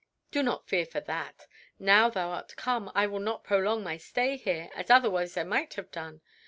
"Do not fear for that. Now thou art come, I will not prolong my stay here, as otherwise I might have done.